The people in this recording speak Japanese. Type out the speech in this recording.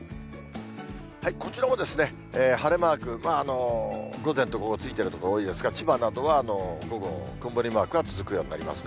こちらも晴れマーク、午前と午後、ついてる所、多いですが、千葉などは午後、曇りマークが続く予報になりますね。